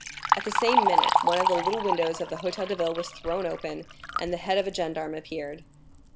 At the same minute, one of the little windows of the Hôtel de Ville was thrown open, and the head of a gendarme appeared.